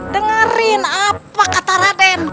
dengarin apa kata raden